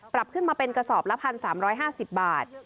ขึ้นมาเป็นกระสอบละ๑๓๕๐บาท